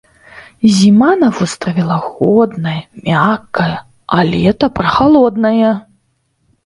Зіма на востраве лагодная, мяккая, а лета прахалоднае.